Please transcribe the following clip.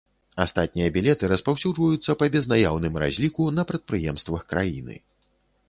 Астатнія білеты распаўсюджваюцца па безнаяўным разліку на прадпрыемствах краіны.